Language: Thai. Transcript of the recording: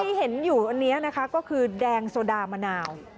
ที่เห็นอยู่อันนี้นะคะก็คือแดงโซดามะนาว